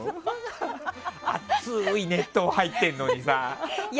熱い熱湯入ってるのにさ。